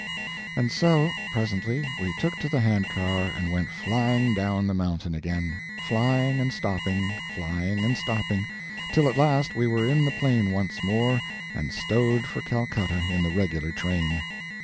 And so, presently we took to the hand car and went flying down the mountain again; flying and stopping, flying and stopping, till at last we were in the plain once more and stowed for Calcutta in the regular train.